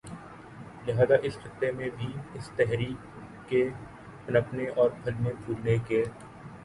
لہٰذا اس خطے میں بھی اس تحریک کے پنپنے اور پھلنے پھولنے کے